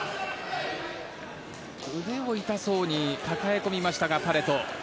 腕を痛そうに抱え込みましたがパレト。